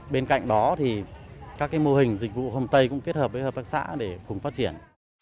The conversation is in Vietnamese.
bên cạnh đó thì các mô hình dịch vụ hom tây cũng kết hợp với hợp tác xã để cùng phát triển